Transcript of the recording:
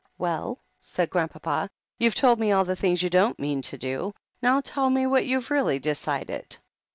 "Well," said Grandpapa, "you've told me all the things you don't mean to do. Now tell me what you've really decided."